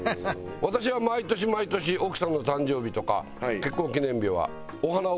私は毎年毎年奥さんの誕生日とか結婚記念日はお花をプレゼントしてる。